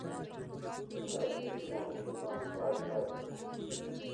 تحقیق مې عقیم او خوار پاتې و.